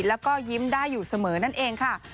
แล้วก็ยิ้มได้อยู่เสมอนั่นเองค่ะ